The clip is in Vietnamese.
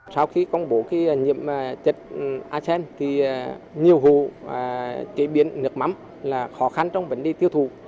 trong bộ nhiễm chất arsen nhiều hộ chế biến nước mắm là khó khăn trong vấn đề tiêu thụ